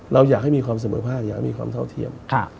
เราอยากให้มีความเสมอภาคอยากมีความเท่าเทียม